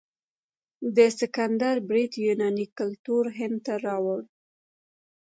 د سکندر برید یوناني کلتور هند ته راوړ.